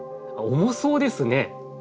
重そうですね！